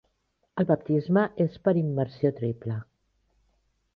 El baptisme és per immersió triple.